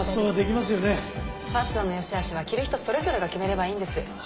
ファッションの良しあしは着る人それぞれが決めればいいんです。